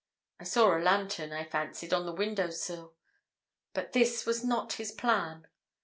I saw a lantern, I fancied, on the window sill. But this was not his plan.